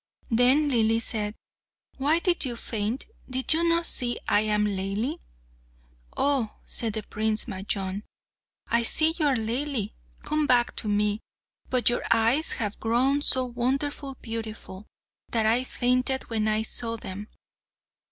Then Laili said, "Why did you faint? Did you not see I am Laili?" "Oh!" said Prince Majnun, "I see you are Laili come back to me, but your eyes have grown so wonderfully beautiful, that I fainted when I saw them."